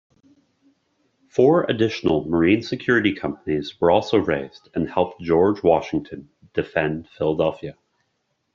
Four additional Marine Security Companies were also raised and helped George Washington defend Philadelphia.